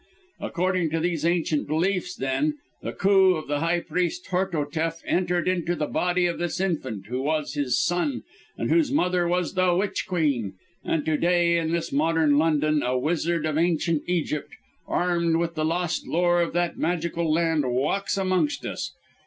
According to these ancient beliefs, then, the Khu of the high priest Hortotef entered into the body of this infant who was his son, and whose mother was the Witch Queen; and to day in this modern London, a wizard of Ancient Egypt, armed with the lost lore of that magical land, walks amongst us!